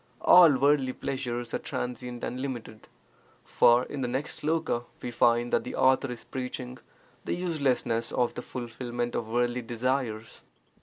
All worldly pleasures are transient and limited. For in the next sloka we find that the author is preaching the uselessness of the fulfilment of worldly desires.